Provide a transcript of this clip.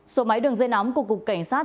số máy đường dây nóng của cục cảnh sát